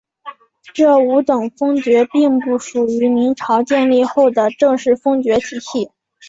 这五等封爵并不属于明朝建立后的正式封爵体系。